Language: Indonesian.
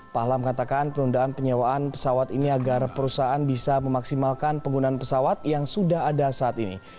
pahla mengatakan penundaan penyewaan pesawat ini agar perusahaan bisa memaksimalkan penggunaan pesawat yang sudah ada saat ini